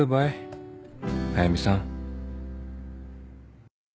速見さん。